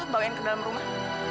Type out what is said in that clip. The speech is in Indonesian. bawain ke dalam rumah